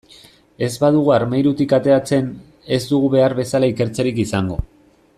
Ez badugu armairutik ateratzen, ez dugu behar bezala ikertzerik izango.